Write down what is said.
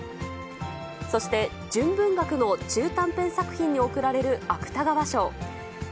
そして純文学の中短編作品に贈られる芥川賞。